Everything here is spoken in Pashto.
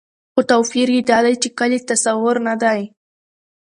خو توپير يې دا دى، چې کلي تصور نه دى